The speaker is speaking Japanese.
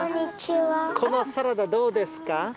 このサラダ、どうですか。